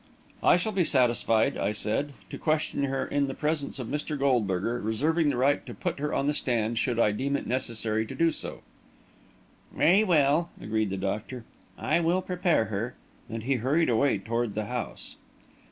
"I shall be satisfied," I said, "to question her in the presence of Mr. Goldberger, reserving the right to put her on the stand, should I deem it necessary to do so." "Very well," agreed the doctor. "I will prepare her," and he hurried away toward the house.